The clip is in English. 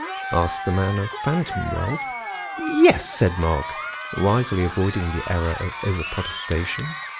asked the man of phantom wealth. "Yes," said Mark, wisely avoiding the error of over protestation.